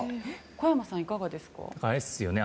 小山さん、いかがですか？